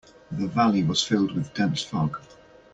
The valley was filled with dense fog.